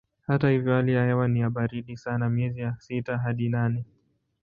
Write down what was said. Hata hivyo hali ya hewa ni ya baridi sana miezi ya sita hadi nane.